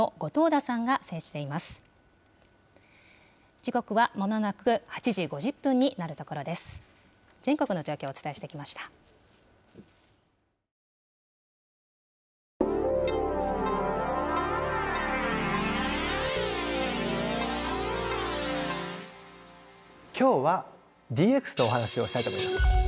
今日はＤＸのお話をしたいと思います。